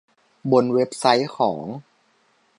บนเว็บไซต์ของ